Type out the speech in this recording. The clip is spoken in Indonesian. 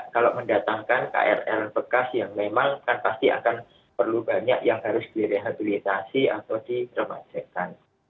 kalau mendatangkan krl bekas yang memang kan pasti akan perlu banyak yang harus direhabilitasi atau diremajekkan